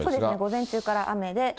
午前中から雨で。